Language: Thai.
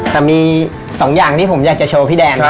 แต่มี๒อย่างที่ผมอยากจะโชว์พี่แดง